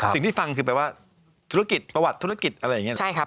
สิ่งที่ฟังคือแปลว่าธุรกิจประวัติธุรกิจอะไรอย่างนี้